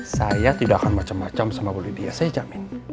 saya tidak akan macem macem sama bu lydia saya jamin